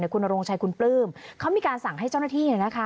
คุณนโรงชัยคุณปลื้มเขามีการสั่งให้เจ้าหน้าที่